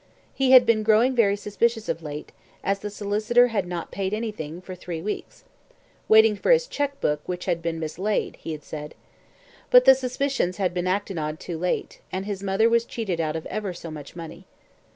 He had been growing very suspicious of late, as the solicitor had not paid anything for three weeks: "Waiting for his cheque book, which had been mislaid," he had said. But the suspicions had been acted on too late, and his mother was cheated out of ever so much money.